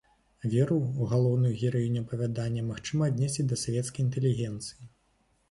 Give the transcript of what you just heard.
Веру, галоўную гераіню апавядання, магчыма аднесці да савецкай інтэлігенцыі.